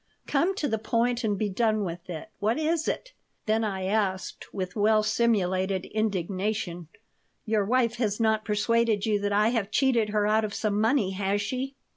Come to the point and be done with it. What is it?" Then I asked, with well simulated indignation, "Your wife has not persuaded you that I have cheated her out of some money, has she?"